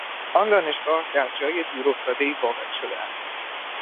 آن دانشگاه در جای دورافتادهای واقع شده است.